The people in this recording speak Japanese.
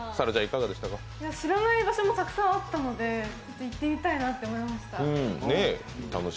知らない場所もたくさんあったので行ってみたいなと思いました。